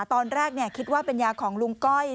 ตอนแรกคิดว่าเป็นยาของลุงก้อย